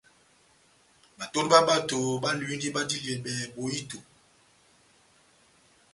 Batodu bá bato báluwindini badiliyɛbɛ bohito.